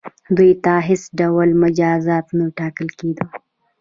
دوی ته هیڅ ډول مجازات نه ټاکل کیدل.